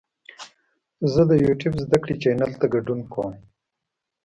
زه د یوټیوب زده کړې چینل ته ګډون کوم.